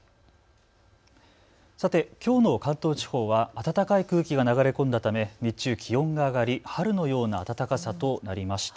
さて、きょうの関東地方は暖かい空気が流れ込んだため日中、気温が上がり春のような暖かさとなりました。